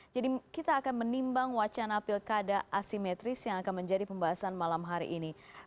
jadi kita akan menimbang wacana pilkada asimetris yang akan menjadi pembahasan malam hari ini